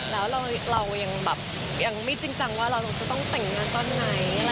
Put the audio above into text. แล้วเรายังแบบยังไม่จริงจังว่าเราจะต้องแต่งงานตอนไหน